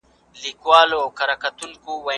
ښی لاس یې په خپلو تورو وېښتانو کې تېر کړ.